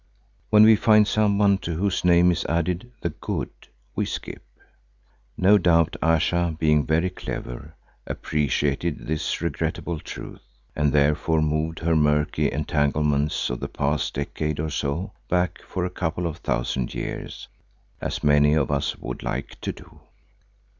When we find someone to whose name is added "the good" we skip. No doubt Ayesha, being very clever, appreciated this regrettable truth, and therefore moved her murky entanglements of the past decade or so back for a couple of thousand years, as many of us would like to do.